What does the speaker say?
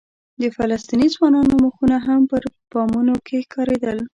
د فلسطیني ځوانانو مخونه هم په بامونو کې ښکارېدل.